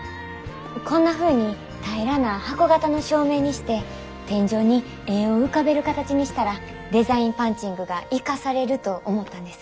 こんなふうに平らな箱形の照明にして天井に絵を浮かべる形にしたらデザインパンチングが生かされると思ったんです。